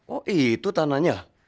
oh itu tanahnya